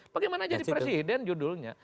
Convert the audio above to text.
bagaimana jadi presiden judulnya